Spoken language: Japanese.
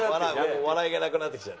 笑いがなくなってきちゃう。